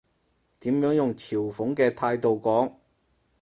點樣用嘲諷嘅態度講？